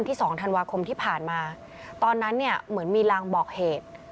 ที่ผ่านมาตอนนั้นเหมือนมีรังบอกเหตุ